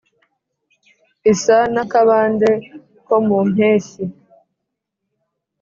isa n'akabande ko mu mpeshyi